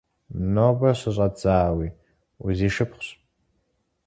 Нобэ щыщӀэдзауи узишыпхъущ!